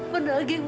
pendagi utang itu